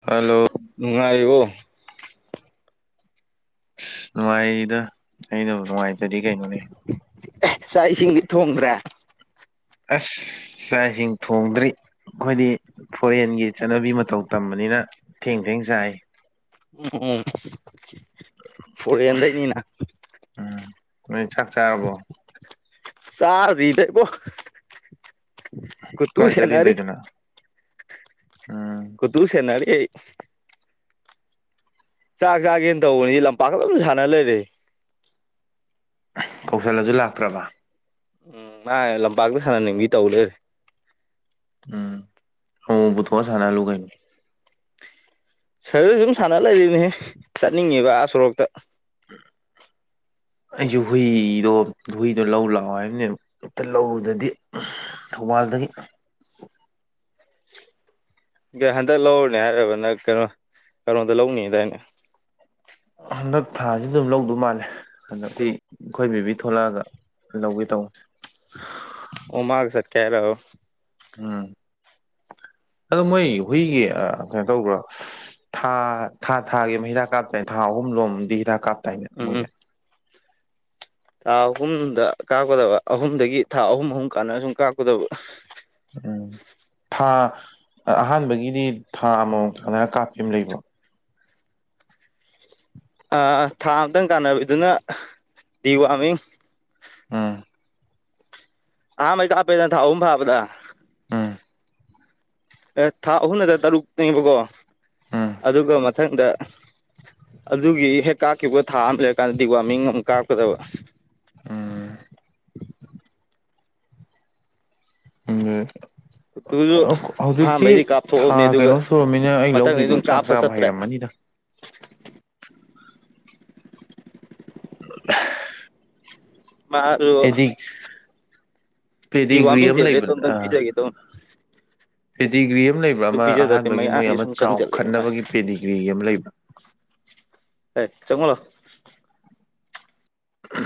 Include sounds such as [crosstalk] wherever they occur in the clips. hello ꯅꯨꯡꯉꯥꯏꯔꯤꯕꯣ ꯅꯨꯡꯉꯥꯏꯔꯤꯗ ꯑꯩꯅꯕꯨ ꯅꯨꯡꯉꯥꯏꯇꯗꯤ ꯀꯩꯅꯣꯅꯦ ꯆꯥꯛ ꯏꯁꯤꯡꯗꯤ ꯊꯣꯡꯗ꯭ꯔꯥ ꯑꯁ ꯆꯥꯛ ꯏꯁꯤꯡ ꯊꯣꯡꯗ꯭ꯔꯤ ꯑꯩꯈꯣꯏꯗꯤ ꯐꯣꯔꯦꯟꯒꯤ ꯆꯠꯅꯕꯤ ꯃꯇꯧ ꯇꯝꯕꯅꯤꯅ ꯊꯦꯡ ꯊꯦꯡ ꯆꯥꯏ ꯎꯝ ꯐꯣꯔꯦꯟꯦꯟꯗꯅꯤꯅ ꯎꯝ ꯅꯣꯏ ꯆꯥꯛ ꯆꯥꯔꯕꯣ ꯁꯔ ꯇꯦ ꯄꯣ ꯀꯥꯏ ꯆꯠꯔꯤꯗꯗꯅ ꯀꯨꯁꯅꯔ ꯆꯥꯛ ꯆꯥꯒꯦꯅ ꯇꯧꯕꯅꯤ ꯂꯝꯄꯥꯛꯇ ꯑꯗꯨꯝ ꯁꯥꯟꯅ ꯂꯩꯔꯦ ꯀꯧꯁꯜꯂꯁꯨ ꯂꯥꯛꯇ꯭ꯔꯕ ꯎꯝ ꯃꯥꯥꯏ ꯂꯝꯄꯥꯛꯇ ꯁꯥꯟꯅꯅꯤꯡꯕꯤ ꯇꯧ ꯂꯩꯔꯦ ꯎꯝ ꯍꯕꯨ ꯊꯑꯁꯥꯟꯅ ꯂꯨꯒꯥꯏꯅ ꯁꯔꯗ ꯁꯨꯝ ꯁꯥꯟꯅ ꯂꯩꯔꯤꯅꯦꯍ ꯆꯠꯅꯤꯡꯉꯦꯕ ꯑꯥ ꯁꯣꯔꯣꯛꯇ [unintelligible] ꯑꯩꯁꯨ ꯍꯨꯏꯗꯣ ꯍꯨꯏꯗꯣ ꯂꯧ ꯂꯥꯛꯑꯣ ꯍꯥꯏꯕꯅꯦ ꯑꯃꯛꯇ ꯂꯧꯔꯗꯗꯤ ꯊꯧꯕꯥꯜꯗꯒꯤ ꯏ ꯍꯟꯗꯛ ꯂꯧꯔꯅꯦ ꯍꯥꯏꯔꯕ ꯅꯪ ꯀꯩꯅꯣ ꯀꯩꯅꯣꯝꯗ ꯂꯧꯅꯤꯗꯥꯏꯅꯦ ꯍꯟꯗꯛ ꯊꯥꯁꯤ ꯑꯗꯨꯝ ꯂꯧꯗꯣꯏ ꯃꯥꯜꯂꯦ ꯍꯟꯗꯛꯇꯤ ꯑꯩꯈꯣꯏ ꯕꯤ ꯊꯣꯛꯂꯛꯑꯒ ꯂꯧꯋꯤ ꯇꯧ ꯎꯃꯒꯁꯠ ꯀꯔꯣ ꯎꯝ ꯑꯣ ꯃꯣꯏ ꯍꯨꯏꯒꯤ ꯀꯩꯅꯣ ꯇꯧꯕ꯭ꯔꯣ ꯊꯥ ꯊꯥ ꯊꯥꯒꯤ ꯑꯃ ꯍꯤꯗꯥꯛ ꯀꯥꯞꯇꯅꯦ ꯊꯥ ꯑꯍꯨꯝꯂꯣꯝꯗꯤ ꯍꯤꯗꯥꯛ ꯀꯥꯞꯇꯥꯏꯅꯦ ꯎꯝ ꯎꯝ ꯃꯣꯏꯒꯤ ꯊꯥ ꯑꯍꯨꯝꯗ ꯀꯥꯞꯀꯗꯕ ꯑꯍꯨꯝꯗꯒꯤ ꯊꯥ ꯑꯍꯨꯝ ꯑꯍꯨꯝ ꯀꯥꯟꯅ ꯁꯨꯝ ꯀꯥꯞꯀꯗꯕ ꯎꯝ ꯊꯥ ꯑꯍꯥꯟꯕꯒꯤꯗꯤ ꯊꯥ ꯑꯃꯃ ꯆꯪꯗꯔ ꯀꯥꯞꯄꯤ ꯑꯃ ꯂꯩꯕꯣ ꯊꯥ ꯑꯃꯝꯇꯪ ꯀꯥꯟꯅꯕꯤꯗꯨꯅ ꯗꯤ ꯋꯥꯔꯃꯤꯡ ꯎꯝ ꯑꯥ ꯃꯥꯏ ꯀꯥꯄꯦꯗꯅ ꯊꯥꯎ ꯐꯥꯕꯗ ꯎꯝ ꯑꯦ ꯊꯥ ꯑꯍꯨꯝꯗ ꯇꯔꯨꯛꯅꯦꯕꯀꯣ ꯎꯝ ꯑꯗꯨꯒ ꯃꯊꯪꯗ ꯑꯗꯨꯒꯤ ꯍꯦꯛ ꯀꯥꯞꯈꯤꯕ ꯊꯥ ꯑꯃ ꯂꯩꯔꯀꯥꯟꯗꯗꯤ ꯋꯥꯔꯃꯤꯡ ꯑꯃꯛ ꯀꯥꯞꯀꯗꯕ ꯎꯝ ꯇꯨꯁꯨ ꯍꯧꯖꯤꯛꯇꯤ ꯑꯍꯥꯟꯕꯩꯗꯤ ꯊꯥ ꯀꯥꯞꯊꯣꯛꯑꯕꯅꯦ ꯑꯗꯨꯒ ꯀꯩꯅꯣ ꯁꯨꯨꯔꯃꯤꯅ ꯑꯩ ꯃꯊꯪꯗꯤ ꯂꯧꯗꯣꯏꯗꯣ ꯑꯗꯨꯝ ꯆꯥꯛ ꯀꯥꯞꯄ ꯆꯥꯕ ꯆꯠꯇ꯭ꯔꯦ ꯍꯩꯔꯝꯃꯅꯤꯗ ꯎ ꯃꯥꯔ ꯄꯦꯗꯤꯒ꯭ꯔꯤ ꯗꯤꯋꯥꯔꯃꯤꯡ ꯑꯃ ꯇꯦꯕ꯭ꯂꯦꯠꯇꯣ ꯂꯩꯕꯗ ꯑ [inaudible] ꯄꯦꯗꯤꯒ꯭ꯔꯤ ꯑꯃ ꯂꯩꯕ꯭ꯔꯥ ꯑꯗꯨ ꯑꯃ ꯄꯤꯖꯗ꯭ꯔꯗꯤ ꯑꯍꯥꯟꯕꯒꯤ ꯃꯣꯏ ꯃꯌꯥꯡꯁꯦ ꯑꯃ ꯁꯨꯝ ꯀꯪꯖꯜꯂꯛꯑꯦ ꯃꯥ ꯆꯥꯎꯈꯠꯅꯕꯒꯤ ꯄꯦꯗꯤꯒ꯭ꯔꯤꯒꯤ ꯑꯃ ꯂꯩꯕ꯭ꯔꯥ ꯍ ꯆꯪꯉꯡꯂꯣ ꯎ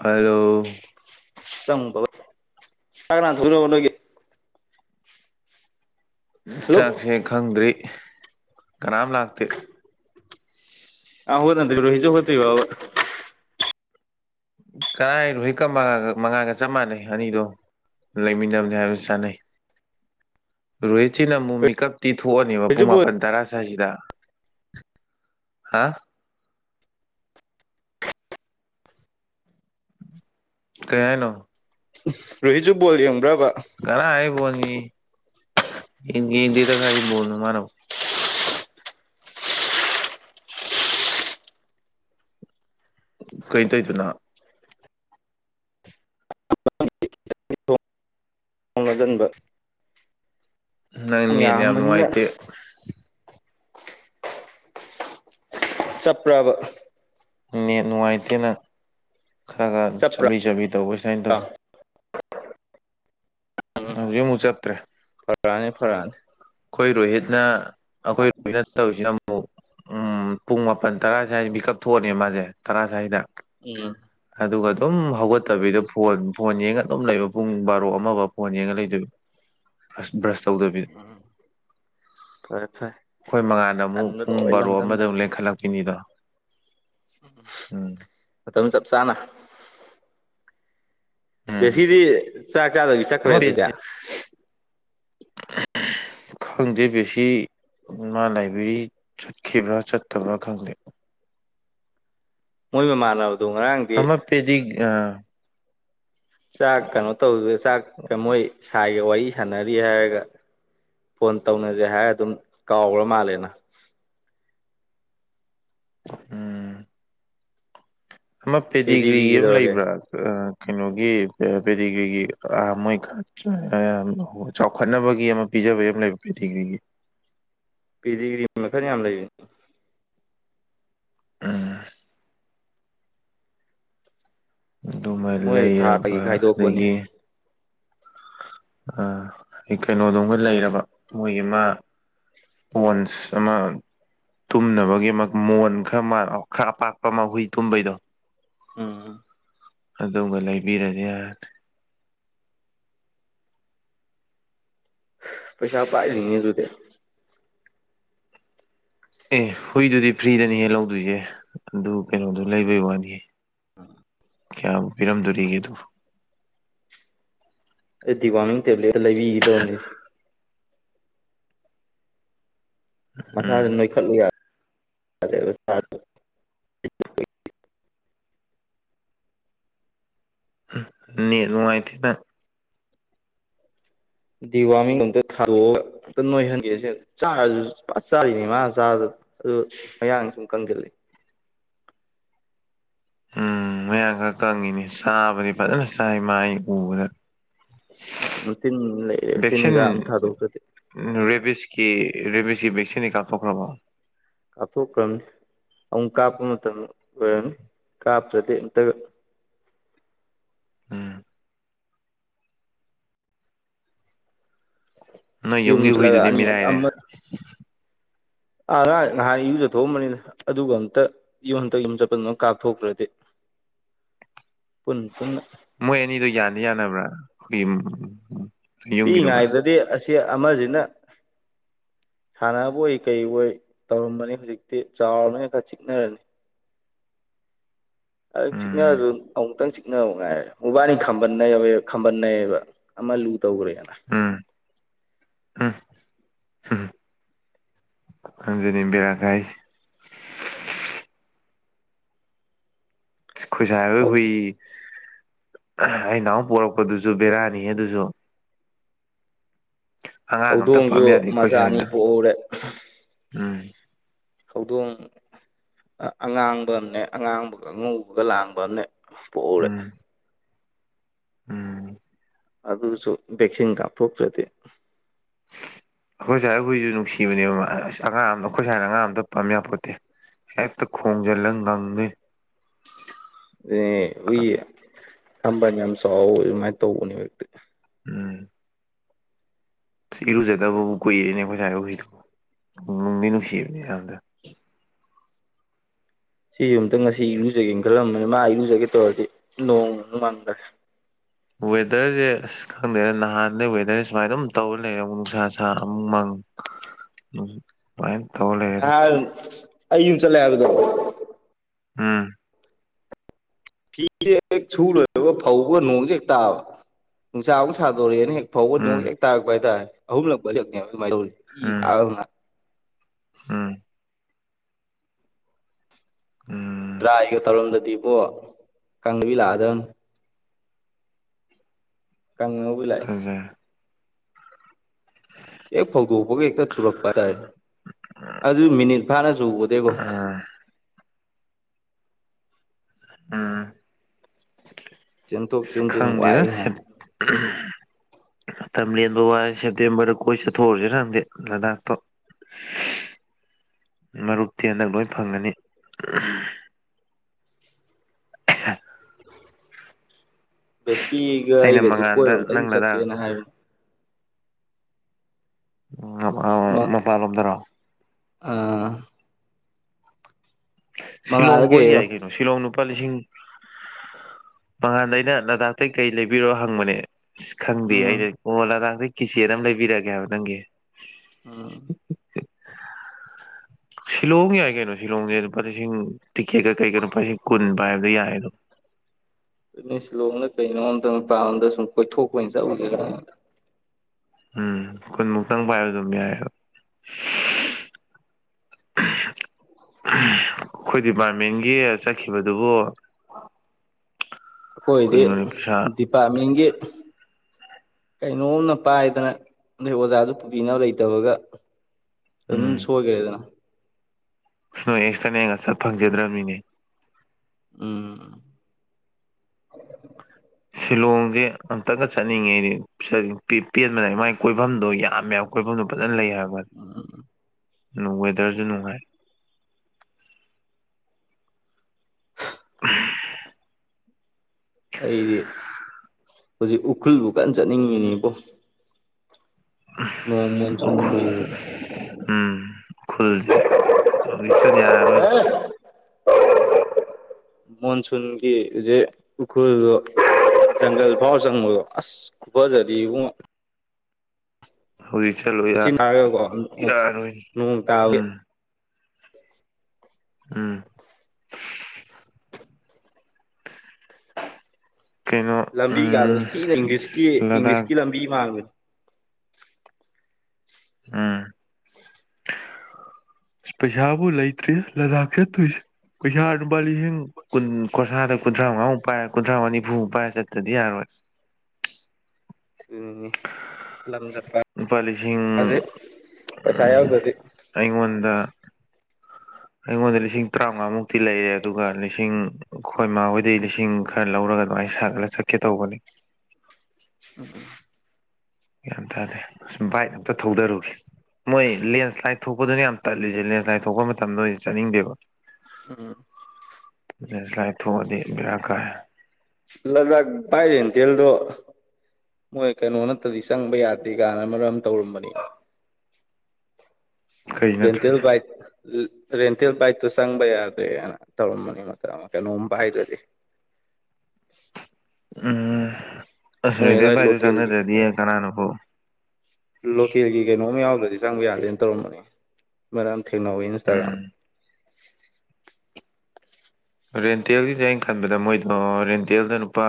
ꯍꯂꯣ ꯆꯪꯃꯨ ꯀꯅꯥ ꯊ ꯍꯜꯂꯣ ꯆꯥꯛꯁꯦ ꯈꯪꯗ꯭ꯔꯤ ꯀꯅꯥꯝ ꯂꯥꯛꯇꯦ ꯑꯥ ꯍ ꯅ꯭ꯔꯣꯍꯤꯁꯨ ꯍꯣꯏ ꯀꯔꯥꯏꯔꯣ ꯍꯛꯀꯒ ꯃꯉꯥꯒ ꯆꯞ ꯃꯥꯟꯅꯩ ꯑꯅꯤꯗꯣ ꯂꯩꯃꯤꯟꯅꯕꯅꯤ ꯍꯥꯏꯕꯅ ꯁꯥꯟꯅꯩ ꯔꯣꯍꯤꯠꯁꯤꯅ ꯑꯃꯨꯛ ꯃꯤꯀꯞ ꯇꯤꯊꯣꯛꯑꯅꯦꯕ ꯔꯣꯍꯤꯠꯁꯨ ꯄꯨꯡ ꯕꯣꯜ ꯃꯥꯄꯟ ꯇꯔꯥ ꯁ꯭ꯋꯥꯏꯁꯤꯗ ꯍꯥ ꯀꯌꯥ ꯅꯣ ꯔꯣꯍꯤꯠꯁꯨ ꯕꯣꯜ ꯌꯦꯡꯕ꯭ꯔꯕ ꯈꯔꯣꯜꯅꯤ ꯍꯗ ꯈꯣ ꯃꯥꯔ ꯀꯩꯅ ꯇꯧꯗꯅ ꯍꯣꯡꯅ ꯆꯟꯕ ꯅꯪꯅꯦ ꯌꯥꯝ ꯌꯥꯝꯕꯅꯤꯅ ꯅꯨꯡꯉꯥꯏꯇꯦ ꯆꯞꯄ꯭ꯔꯕ ꯅꯦ ꯅꯨꯡꯉꯥꯏꯇꯦꯅ ꯈꯔ ꯈꯔ ꯆꯞꯄ꯭ꯔꯥ ꯆꯠꯂꯤ ꯆꯥꯕꯤ ꯇꯧꯕ ꯁꯨꯃꯥꯏꯅ ꯇꯧ [unintelligible] ꯍꯧꯖꯤꯛ ꯑꯃꯨꯛ ꯆꯠꯇ꯭ꯔꯦ ꯐꯔꯥꯅꯤ ꯐꯔꯛꯑꯅꯤ ꯑꯩꯈꯣꯏ ꯔꯣꯍꯤꯠꯅ ꯑꯩꯈꯣꯏ ꯔꯣꯍꯤꯅ ꯇꯧꯔꯤꯁꯤꯅ ꯑꯃꯨꯛ ꯄꯨꯡ ꯃꯥꯄꯜ ꯇꯔꯥ ꯁ꯭ꯋꯥꯏꯗ ꯄꯕꯤꯛ ꯎꯞ ꯊꯣꯛꯑꯅꯦ ꯃꯥꯁꯦ ꯇꯔꯥ ꯁ꯭ꯋꯥꯏꯗ ꯎꯝ ꯑꯗꯨ ꯀ ꯎꯝ ꯑꯗꯨꯝ ꯍꯒ ꯅꯠꯇꯕꯤꯗ ꯐꯣꯟ ꯐꯣꯟ ꯌꯦꯡꯉꯒ ꯑꯗꯨꯝ ꯂꯩꯕ ꯄꯨꯡ ꯕꯥꯔꯣ ꯑꯃꯐꯥꯎ ꯐꯣꯟ ꯌꯦꯡꯉ ꯂꯩꯗꯣꯏꯕ ꯑꯁ ꯕ꯭ꯔꯁ ꯇꯧꯗꯕꯤ ꯎꯝ ꯐꯔꯦ ꯐꯔꯦ ꯑꯈꯣꯏ ꯃꯉꯥꯟꯅ ꯑꯃꯨꯛ ꯇꯟꯗ ꯄꯨꯡ ꯂꯣꯏ ꯕꯔꯣ ꯑꯃꯗ ꯂꯝꯗꯝꯅꯔꯦ ꯑꯃꯨꯛ ꯂꯦꯡꯈꯠꯂꯛꯄꯤꯅꯤꯗꯣ ꯎꯝ ꯃꯇꯝ ꯆꯞ ꯆꯥꯅ ꯎꯝ ꯕꯦꯁꯤꯗꯤ ꯆꯥꯛ ꯆꯥꯗꯕꯤ ꯆꯠꯈ꯭ꯔꯦ ꯑꯃ ꯑꯗꯨꯗꯤ ꯈꯪꯗꯦ ꯕꯦꯁꯤ ꯃꯥ ꯂꯥꯏꯕ꯭ꯔꯦꯔꯤ ꯆꯠꯈꯤꯕ꯭ꯔꯥ ꯆꯠꯇꯕ꯭ꯔꯥ ꯈꯪꯗꯦ ꯃꯣꯏ ꯃꯃꯥꯟꯅꯕꯗꯣ ꯉꯔꯥꯡ ꯑꯃ ꯄꯦꯗꯤꯛ ꯑ ꯆꯥꯛ ꯀꯩꯅꯣ ꯇꯧꯕꯗꯨꯗ ꯆꯥꯛ ꯀ ꯃꯣꯏ ꯁꯥꯏꯒ ꯋꯥꯔꯤ ꯁꯥꯟꯅꯔꯤ ꯍꯥꯏꯔꯒ ꯐꯣꯟ ꯇꯧꯅꯖꯦ ꯍꯥꯏꯔ ꯑꯗꯨꯝ ꯀꯥꯎꯒ꯭ꯔ ꯃꯥꯜꯂꯦꯅ ꯎꯝ ꯑꯃ ꯄꯦꯗꯤꯒ꯭ꯔꯤ ꯄꯦꯗꯤꯒ꯭ꯔꯤꯒꯤ ꯑꯃ ꯀꯩꯗꯧꯔꯒꯦ ꯂꯩꯕ꯭ꯔꯥ ꯑ ꯀꯩꯅꯣꯒꯤ ꯄꯦꯗꯤꯒ꯭ꯔꯤꯒꯤ ꯑ ꯃꯣꯏ ꯈꯔ ꯆꯥ ꯆꯥꯎꯈꯠꯅꯕꯒꯤ ꯑꯃ ꯄꯤꯖꯕꯩ ꯑꯃ ꯂꯩꯕ ꯄꯤꯗꯤꯒ꯭ꯔꯤꯒꯤ ꯄꯤꯗꯤꯒ꯭ꯔꯤ ꯃꯈꯜ ꯌꯥꯝ ꯂꯩꯕꯅꯤ ꯎꯝ ꯑꯗꯨꯃ ꯃꯣꯏ ꯊꯥ ꯊꯥꯒꯤ ꯂꯩꯔꯕ ꯈꯥꯏꯗꯣꯛꯄꯅꯤ ꯑꯗꯒꯤ ꯑ ꯑꯩ ꯀꯩꯅꯣꯗꯣꯝꯒ ꯂꯩꯔꯕ ꯃꯣꯏꯒꯤ ꯑꯃ ꯋꯟꯁ ꯑꯃ ꯇꯨꯝꯅꯕꯒꯤ ꯑꯃ ꯃꯣꯟ ꯈꯔ ꯃꯥꯟ ꯈꯔ ꯑꯄꯥꯛꯄ ꯑꯃ ꯍꯨꯏ ꯇꯨꯝꯕꯩꯗꯣ ꯎꯝ ꯑꯗꯨꯝꯒ ꯂꯩꯕꯤꯔꯗꯤ ꯌꯥꯔꯅꯤ ꯄꯩꯁꯥ ꯄꯥꯏꯔꯤꯅꯦ ꯑꯗꯨꯨꯗꯤ ꯑꯦ ꯍꯨꯏꯗꯨꯗꯤ ꯐ꯭ꯔꯤꯗꯅꯤꯍꯦ ꯂꯧꯗꯣꯏꯖꯦ ꯑꯗꯨ ꯀꯩꯅꯣꯗꯨ ꯂꯩꯕꯩ ꯋꯥꯅꯤꯍꯦ ꯎꯝ ꯀꯌꯥꯕꯨ ꯄꯤꯔꯝꯗꯣꯔꯤꯒꯦ ꯑꯗꯨꯕꯨ ꯑꯩ ꯗꯤꯋꯥꯃꯤꯡ ꯇꯦꯕ꯭ꯂꯦꯠꯇ ꯂꯩꯕꯤꯒꯦ ꯇꯧꯕꯅꯤ ꯎꯝ ꯃꯈꯥꯖꯦ ꯅꯣꯏꯈꯠꯂꯨ ꯌꯥꯗ꯭ꯔꯦꯕ ꯎꯝ ꯅꯦꯠ ꯅꯨꯡꯉꯥꯏꯇꯦ ꯅꯪ ꯗꯤꯋꯥꯃꯤꯡ ꯑꯝꯇ ꯊꯥꯗꯣꯛꯑꯒ ꯑꯝꯇ ꯅꯣꯏꯍꯟꯒꯦ ꯁꯦ ꯆꯥꯔꯁꯨ ꯐꯖ ꯆꯥꯔꯤꯅꯤ ꯃꯥꯅ ꯆꯥꯕꯗ ꯑꯗꯨ ꯃꯌꯥꯡꯖꯤ ꯁꯨꯝ ꯀꯪꯖꯤꯜꯂꯤ ꯎꯝ ꯃꯌꯥꯡ ꯈꯔ ꯀꯪꯉꯤꯅꯦ ꯆꯥꯕꯗꯤ ꯐꯖꯅ ꯆꯥꯏ ꯃꯥ ꯑꯩꯅ ꯎꯕꯗ ꯎꯝ ꯇꯤꯟ ꯂꯩꯔꯦ ꯇꯤꯟ ꯍꯤꯗꯥꯛ ꯑꯝꯇ ꯊꯥꯗꯣꯛꯇꯗꯤ ꯎꯝ ꯔꯦꯕꯤꯁꯀꯤ ꯔꯦꯕꯤꯁꯀꯤ ꯚꯦꯛꯁꯤꯟꯗꯤ ꯀꯥꯞꯊꯣꯛꯈ꯭ꯔꯕꯣ ꯀꯥꯞꯊꯣꯛꯈ꯭ꯔꯝꯅꯤ ꯑꯃꯨꯛ ꯀꯥꯞꯄ ꯃꯇꯝ ꯑꯣꯏꯔꯝꯅꯤ ꯀꯥꯞꯇ꯭ꯔꯗꯤ ꯑꯝꯇꯒ ꯎꯝ ꯅꯣꯏ ꯌꯨꯝ ꯌꯨꯝꯒꯤ ꯆꯠꯂꯒ ꯍꯨꯏꯗꯨꯗꯤ ꯑꯅꯤ ꯃꯤꯔꯥꯏꯔꯦ ꯑꯃꯠ ꯑꯥ ꯉꯥꯠ ꯉꯍꯥꯟ ꯏꯌꯨ ꯖꯊꯣꯛꯑꯝꯕꯅꯤꯅꯦ ꯑꯗꯨꯒ ꯑꯝꯇ ꯌꯨꯝ ꯑꯝꯇ ꯌꯨꯝ ꯆꯠꯄꯅ ꯀꯥꯞꯊꯣꯛꯇ꯭ꯔꯗꯤ ꯄꯨꯟ ꯄꯨꯟꯅ ꯃꯣꯏ ꯑꯅꯤꯗꯣ ꯌꯥꯟꯗꯤ ꯌꯥꯅꯕ꯭ꯔꯥ ꯑꯩꯈꯣꯏꯒꯤ ꯌꯨꯝꯒꯤꯗꯨꯒ ꯄꯤꯛꯏꯉꯥꯏꯗꯗꯤ ꯑꯁꯤ ꯑꯃꯖꯤꯅ ꯁꯥꯟꯅꯕꯣꯏ ꯀꯩꯑꯣꯏ ꯇꯧꯔꯝꯕꯅꯤ ꯍꯧꯖꯤꯛꯇꯤ ꯆꯥꯎꯔꯕꯅꯤꯅ ꯈꯔ ꯆꯤꯛꯅꯔꯅꯤ ꯑꯗꯨ ꯎꯝ ꯆꯤꯛꯅꯔꯖꯨ ꯑꯃꯨꯛꯇꯪ ꯆꯤꯛ ꯅꯧ ꯉꯥꯏꯔꯦ ꯎꯕꯥꯏꯅꯤ ꯈꯝꯕꯟꯅꯩꯕ ꯈꯝꯕꯟꯅꯩꯌꯦꯕ ꯑꯃ ꯂꯨ ꯇꯧꯒ꯭ꯔꯦꯅ ꯎꯝ ꯎꯝ ꯑꯗꯨꯅꯤ ꯕꯦꯔꯥ ꯀꯥꯏꯁꯦ ꯎꯝ ꯈꯣꯏꯁꯥꯏ ꯍꯣꯏ ꯍꯨꯏ ꯑꯩ ꯅꯍꯥꯟꯃꯨꯛ ꯄꯣꯔꯛꯄꯗꯨꯖꯨ ꯕꯦꯔꯥꯅꯤꯍꯦ ꯑꯗꯨꯖꯨ ꯑꯉꯥꯡ ꯑꯝꯇ ꯍꯧꯗꯣꯡꯖꯨ ꯄꯝ ꯌꯥꯗꯦ ꯑꯩꯈꯣꯏ ꯃꯆꯥ ꯑꯅꯤ ꯁꯥꯏꯅ ꯄꯣꯛꯍꯧꯔꯦ ꯎꯝ ꯍꯧꯗꯣꯡ ꯑꯉꯥꯡꯕ ꯑ ꯑꯃꯅꯦ ꯑꯉꯥꯡꯕꯒ ꯑꯉꯧꯕꯒ ꯂꯥꯡꯕ ꯑꯃꯅꯦ ꯄꯣꯛꯍꯧꯔꯦ ꯎꯝ ꯎꯝ ꯑꯗꯨꯁꯨ ꯚꯦꯛꯁꯤꯟ ꯀꯥꯞꯊꯣꯛꯈ꯭ꯔꯗꯤ ꯑꯩꯈꯣꯏ ꯁꯥꯥꯏ ꯑꯩꯈꯣꯏꯁꯨ ꯅꯨꯡꯁꯤꯕꯅꯦꯕ ꯃꯥ ꯑꯁ ꯑꯉꯥꯡ ꯑ ꯑꯃꯗ ꯑꯩꯈꯣꯏ ꯁꯥꯏꯅ ꯑꯉꯥꯡ ꯑꯝꯇ ꯄꯥꯝꯃꯤꯕ ꯄꯣꯠꯇꯦ ꯍꯦꯛꯇ ꯈꯣꯡꯖꯤꯜꯂꯒ ꯉꯪꯗꯣꯏ ꯑꯦ ꯎꯏ ꯈꯝꯕꯜ ꯌꯥꯝ ꯆꯥꯎꯋ ꯑꯗꯨꯃꯥꯏꯅ ꯇꯧꯕꯅꯦ ꯍꯧꯛꯇ ꯎꯝ ꯏꯔꯨꯖꯗꯕꯕꯨ ꯀꯨꯏꯔꯦꯅꯦ ꯑꯩꯈꯣꯏ ꯁꯥꯏꯔꯨꯁꯤꯗꯨꯕꯨ ꯅꯨꯡꯗꯤ ꯅꯨꯡꯁꯤꯕꯅꯦ ꯑꯍꯗ ꯁꯤꯁ ꯑꯨꯛꯇ ꯉꯁꯤ ꯏꯔꯨꯖꯒꯦꯅ ꯈꯜꯂꯝꯕꯅꯤ ꯃꯥ ꯏꯔꯨꯖꯒꯦ ꯇꯧꯔꯗꯤ ꯅꯣꯡ ꯅꯨꯡ ꯉꯥꯡꯗ꯭ꯔꯦ ꯋꯦꯗꯔꯁꯦ ꯑꯁ ꯈꯪꯗꯦꯗ ꯅꯍꯥꯟꯗꯩ ꯋꯦꯗꯔꯁꯦ ꯁꯨꯃꯥꯏꯅ ꯑꯗꯨꯝ ꯇꯧꯔ ꯂꯩꯔꯦꯨ ꯅꯨꯡꯁꯥ ꯁꯥꯥ ꯑꯃꯨꯃꯪ ꯎꯝ ꯄꯥꯏꯟ ꯇꯣꯂꯦ ꯑ ꯑꯌꯨꯨꯝ ꯆꯂꯕꯗ ꯎꯝ ꯐꯤꯁꯦ ꯍꯦꯛ ꯁꯨꯨꯔꯣꯏꯒ ꯐꯧꯕ ꯅꯣꯡꯁꯦ ꯍꯦꯛ ꯇꯥꯕ ꯅꯨꯡꯁꯥ ꯑꯃꯨꯛ ꯁꯥꯗꯣꯔꯛꯦꯅ ꯍꯦꯛ ꯍꯦꯛ ꯐꯥꯎꯕ ꯅꯣꯡ ꯎꯝ ꯍꯦꯛ ꯇꯥꯔꯛꯄ ꯍꯥꯏꯇꯥꯔꯦ ꯑꯍꯨꯝꯂꯛꯄꯦꯛꯅꯦꯕ ꯑꯗꯨꯃꯥꯏꯅ ꯇꯧꯔꯤ ꯏ ꯀꯥ ꯎꯝ ꯎꯝ ꯎꯝ ꯗ꯭ꯔꯥꯏꯒ ꯇꯧꯔꯝꯗꯗꯤꯕꯣ ꯀꯥꯡꯪꯗꯕꯤ ꯂꯥꯛꯑꯗꯕꯅꯤ ꯀꯪꯉ ꯑꯖꯥ ꯍꯦꯛ ꯐꯧꯗꯣꯛꯄꯒ ꯍꯦꯛꯇ ꯊꯨꯔꯛꯄ ꯍꯥꯏꯇꯥꯔꯦ ꯑꯗꯨ ꯃꯤꯅꯤꯠ ꯐꯥꯅ ꯆꯨꯒꯗꯦꯀꯣ ꯑꯥ ꯎꯝ [inaudible] ꯁ ꯆꯦꯟꯁꯤꯟ ꯈꯪꯗꯦ ꯋꯥꯏ ꯉꯍꯥꯟ ꯁꯠ ꯃꯇꯝ ꯂꯦꯟꯕ ꯋꯥ ꯁꯦꯞꯇꯦꯝꯕꯔꯗ ꯀꯣꯏ ꯆꯠꯊꯣꯛꯎꯁꯤꯅꯪꯗꯤ ꯂꯥꯗꯥꯛꯇꯣ [inaudible] ꯃꯔꯨꯞꯇꯤ ꯍꯟꯗꯛ ꯂꯣꯏ ꯐꯪꯒꯅꯤ [unintelligible] ꯕꯦꯁꯀꯤꯒ ꯑꯩꯅ ꯑꯩꯒꯁꯨ ꯃꯉꯥꯟꯗ ꯀꯣꯏꯕ ꯑ ꯅꯪ ꯑꯃꯨꯇꯪꯗꯤ ꯂꯗꯥꯛ ꯆꯠꯁꯦꯅ ꯍꯥꯏꯕꯅꯦ ꯎ ꯃꯄꯥꯟ ꯂꯣꯝꯗꯔꯣꯑꯣ ꯑꯥ ꯁꯤꯂꯣꯡ ꯃꯉꯥꯜꯗ ꯀꯣꯏ ꯀꯩꯕ ꯌꯥꯏ ꯀꯩꯅꯣ ꯁꯤꯂꯣꯡ ꯂꯨꯄꯥ ꯂꯤꯁꯤꯡ ꯃꯍꯥꯟꯗ ꯑꯩꯅ ꯂꯥꯗꯥꯛꯇꯩꯒꯤ ꯀꯩ ꯂꯩꯕꯤꯔꯣ ꯍꯪꯕꯅꯦ ꯑꯁ ꯈꯪꯗꯦ ꯑꯩꯗꯤ ꯎꯝ ꯑꯣ ꯂꯥꯗꯥꯛꯗꯩ ꯀꯤꯆꯦꯠ ꯑꯃ ꯂꯩꯕꯤꯔꯛꯒꯦ ꯍꯥꯏꯕ ꯅꯪꯒꯤ ꯎꯝ ꯁꯤꯂꯣꯡ ꯌꯥꯏ ꯀꯩꯅꯣ ꯁꯤꯂꯣꯡꯁꯦ ꯂꯨꯄꯥ ꯂꯤꯁꯤꯡ ꯇꯤꯛꯀꯦꯠꯀ ꯀꯩꯒ ꯂꯨꯄꯥ ꯂꯤꯁꯤꯡ ꯀꯨꯟꯕ ꯍꯥꯏꯕꯗ ꯌꯥꯏ ꯑꯗꯣ ꯃꯤ ꯁꯤꯂꯣꯡꯗ ꯀꯩꯅꯣꯝꯇꯪ ꯃꯄ ꯑꯃꯝꯗ ꯁꯨꯝ ꯀꯣꯏꯊꯣꯛꯄ ꯑꯣꯏꯅ ꯆꯠꯂꯨꯗꯦ ꯀꯅ ꯎꯝ ꯀꯨꯟꯃꯨꯛꯇꯪ ꯄꯥꯏꯕ ꯑꯗꯨꯝ ꯌꯥꯏꯕ ꯑ ꯑꯩꯈꯣꯏ ꯗꯤꯄꯥꯔꯠꯃꯦꯟꯒꯤ ꯆꯠꯈꯤꯕꯗꯨꯕꯨ ꯑꯩꯈꯣꯏꯗꯤ ꯀꯩꯅꯣꯅꯦ ꯄꯩꯁꯥ ꯗꯤꯄꯥꯔꯠꯃꯦꯟꯒꯤ ꯀꯩꯅꯣꯝꯅ ꯄꯥꯏꯗꯅ ꯑꯗꯩ ꯑꯣꯖꯥꯁꯨ ꯄꯨꯕꯤꯅꯕ ꯂꯩꯇꯕꯒ ꯎꯝ ꯆꯁꯨ ꯍꯒꯔꯦꯗꯅ ꯅꯣꯏ ꯑꯦꯛꯁꯇ꯭ꯔꯥꯅꯦꯒ ꯆꯠ ꯐꯪꯖꯗ꯭ꯔꯕꯅꯤꯅꯦ ꯎꯝ ꯁꯤꯂꯣꯡꯁꯦ ꯑꯝꯇꯒ ꯆꯠꯅꯤꯡꯉꯩꯗꯤ ꯄꯦꯟꯕꯅꯏ ꯃꯒꯤ ꯀꯣꯏꯐꯝꯗꯣ ꯌꯥꯝꯃꯦ ꯑꯩꯈꯣꯏꯐꯝꯗ ꯐꯖꯅ ꯂꯩ ꯍꯥꯏꯕꯅꯤ ꯑꯗꯨ ꯋꯦꯗꯔꯁꯨ ꯅꯨꯡꯉꯥꯏ ꯑꯩꯗꯤ ꯍꯧꯖꯤꯛ ꯎꯈ꯭ꯔꯨꯜꯕꯨ ꯀꯟꯅ ꯆꯠꯅꯤꯡꯉꯤꯅꯦꯕꯣ ꯃꯣꯟꯁꯨꯟꯒꯤ ꯎꯈꯨꯜ ꯎꯝ ꯈꯨꯜꯁꯦ ꯍꯧꯖꯤ ꯌꯥꯔꯣꯏꯅꯦ ꯃꯟꯁꯨꯟꯒꯤ ꯍꯧꯖꯤꯛ ꯎꯈ꯭ꯔꯨꯜꯗꯣ ꯪꯒꯜ ꯐꯥꯎ ꯆꯪꯉꯣ ꯑꯁꯕꯖꯗꯤꯨꯡꯉ ꯍꯖꯤ ꯆꯂꯣ ꯄꯅꯥꯦ ꯀꯣꯅꯨꯡ ꯇ ꯎꯝ ꯎꯝ ꯀꯩꯅꯣ ꯂꯝꯕꯤꯒꯗꯣ ꯊꯤꯅ ꯏꯪꯂꯤꯁꯀꯤ ꯂꯗꯥꯛ ꯏꯪꯂꯤꯁꯀꯤ ꯂꯝꯕꯤ ꯃꯥꯡꯕꯅꯤ ꯑꯥ ꯑ ꯄꯩꯁꯥꯕꯨ ꯂꯩꯇ꯭ꯔꯤ ꯂꯗꯥꯛ ꯆꯠꯇꯣꯏꯁꯦ ꯄꯩꯁꯥ ꯂꯨꯄꯥ ꯂꯤꯁꯤꯡ ꯀꯨꯟ ꯀꯨꯟꯊꯥꯗ ꯀꯨꯟꯊ꯭ꯔꯥ ꯃꯉꯥꯃꯨꯛꯥꯏꯔꯦ ꯀꯨꯟꯊꯥ ꯃ ꯅꯤꯐꯨꯃꯨꯛ ꯄꯥꯏꯔꯦ ꯆꯠꯇꯗꯤ ꯌꯥꯔꯣꯏ ꯎ ꯂꯝ ꯆꯠꯄ ꯂꯨꯄꯥ ꯂꯤꯁꯤꯡ ꯄꯩꯁꯥ ꯌꯥꯎꯗꯗꯤ ꯑꯩꯉꯣꯟꯗ ꯎꯝ ꯑꯩꯉꯣꯟꯗ ꯂꯤꯁꯤꯡ ꯇꯔꯥꯃꯉꯥꯃꯨꯛꯇꯤ ꯂꯩꯔꯦ ꯑꯗꯨꯒ ꯂꯤꯁꯤꯡ ꯈꯣꯏꯃꯥ ꯍꯣꯏꯗꯩ ꯂꯤꯁꯤꯡ ꯈꯔ ꯂꯧꯔꯒ ꯑꯗꯨꯃꯥꯏ ꯁꯥꯒꯠꯂ ꯆꯠꯀꯦ ꯇꯧꯕꯅꯤ ꯑꯣ [unintelligible] ꯒ꯭ꯌꯥꯟ ꯇꯥꯗꯦ ꯁꯨꯝ ꯕꯥꯏꯛ ꯑꯝꯇ ꯊꯧꯗꯔꯨꯒꯦ ꯃꯣꯏ ꯂꯦꯟꯁ꯭ꯂꯥꯏꯠ ꯊꯣꯛꯄꯗꯨꯅꯦ ꯌꯥꯝ ꯇꯜꯂꯖꯁꯦ ꯂꯦꯟꯁ꯭ꯂꯥꯏꯠ ꯊꯣꯛꯄ ꯃꯇꯝꯗ ꯑꯣꯏꯔꯗꯤ ꯆꯠꯅꯤꯡꯗꯦꯕ [unintelligible] ꯂꯦꯟꯁ꯭ꯂꯥꯏꯠ ꯊꯣꯛꯑꯗꯤ ꯕꯤꯔꯥ ꯀꯥꯏ ꯂꯗꯥꯛ ꯕꯥꯏ ꯔꯦꯟꯇꯦꯜꯗꯣ ꯃꯣꯏ ꯀꯩꯅꯣ ꯅꯠꯇꯗꯤ ꯆꯪꯕ ꯌꯥꯗꯦꯒꯥꯏꯅ ꯃꯔꯛ ꯑꯃꯥ ꯇꯧꯔꯝꯕꯅꯤ ꯀꯩ ꯔꯦꯟꯇꯦꯜ ꯅꯠꯇ꯭ꯔꯗꯤ ꯕꯥꯏꯛ ꯔꯦꯟꯇꯦꯜ ꯕꯥꯏꯛꯇꯣ ꯆꯪꯕ ꯌꯥꯗ꯭ꯔꯦꯅ ꯇꯧꯔꯝꯕꯅꯤ ꯃꯛ ꯑꯃꯥ ꯀꯩꯅꯣꯝ [unintelligible] ꯗ꯭ꯔꯗꯤ ꯎꯝ ꯑ ꯃꯣꯏ ꯑꯗꯨꯋꯥꯏ [unintelligible] ꯂꯣꯀꯦꯜꯒꯤ ꯆꯪꯅꯗ꯭ꯔꯗꯤ ꯀꯅꯥꯅꯕꯨ ꯂꯣꯀꯦꯜꯒꯤ ꯀꯩꯅꯣꯝ ꯌꯥꯎꯗ꯭ꯔꯗꯤ ꯆꯪꯕ ꯌꯥꯗꯦꯅ ꯇꯧꯔꯝꯕꯅꯦ ꯉꯔꯥꯡ ꯊꯦꯡꯅꯍꯧꯋꯦ [unintelligible] ꯎꯝ ꯔꯦꯟꯇꯦꯜꯒꯤꯗꯤ ꯑꯩ ꯈꯟꯕꯗ ꯃꯣꯏꯗꯣ ꯔꯦꯟꯇꯦꯜꯗ ꯅꯨꯄꯥ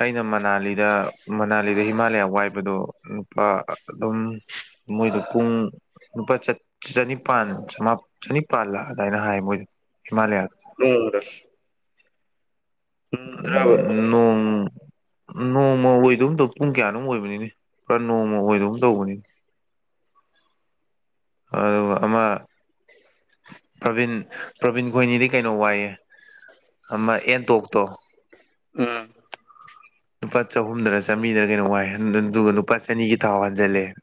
ꯑꯩꯅ ꯃꯅꯥꯂꯤꯗ ꯃꯅꯥꯂꯤꯗ ꯍꯤꯃꯥꯂꯌꯥ ꯋꯥꯏꯕꯗꯣ ꯅꯨꯄꯥ ꯑꯗꯨꯝ ꯃꯣꯏꯗꯣ ꯄꯨꯡ ꯂꯨꯄꯥ ꯆ ꯆꯅꯤꯄꯥꯟ ꯆꯃꯥ ꯆꯅꯤꯄꯥꯜ ꯑꯗꯥꯥꯏꯅ ꯍꯥꯏ ꯃꯣꯏꯗ ꯍꯤꯃꯥꯂꯌꯥꯗꯣ [unintelligible] [inaudible] ꯅꯣꯡꯃꯗꯔꯕ [unintelligible] ꯎꯝ ꯅꯣꯡ ꯅꯣꯡꯃ ꯑꯣꯏꯗꯧ ꯇꯧ ꯄꯨꯡ ꯀꯌꯥꯅꯣꯝ ꯑꯣꯏꯕꯅꯤꯅꯦ ꯈꯔ ꯅꯣꯡꯃ ꯑꯣꯏꯗꯒꯨꯝ ꯇꯧꯕꯅꯤ ꯑꯗꯨꯒ ꯑꯃꯥ ꯄ꯭ꯔꯕꯤꯟ ꯄ꯭ꯔꯕꯤꯟ ꯈꯣꯏꯅꯤꯗꯤ ꯀꯩꯅꯣ ꯋꯥꯏꯌꯦ ꯑꯃꯥ ꯑꯦꯟꯇꯣꯛꯇꯣ ꯎꯝ ꯂꯨꯄꯥ ꯆꯍꯨꯝꯗꯅ ꯆꯥꯝꯔꯤꯗꯅ ꯀꯩꯅꯣ ꯋꯥꯏ ꯍꯟ ꯍꯟ ꯗꯨꯒ ꯂꯨꯄꯥ ꯆꯅꯤꯒꯤ ꯊꯥꯎ ꯍꯥꯟꯖꯜꯂꯦ